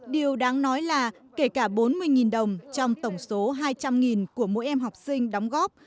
điều đáng nói là kể cả bốn mươi đồng trong tổng số hai trăm linh của mỗi em học sinh đóng góp